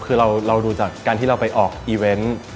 คือเราดูจากการที่เราไปออกอีเวนต์